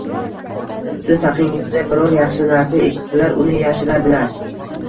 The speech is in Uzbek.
Siz haqingizda biror yaxshi narsa eshitsalar, uni yashiradilar.